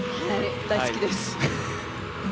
大好きです。